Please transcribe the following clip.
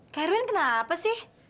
kairwin kenapa sih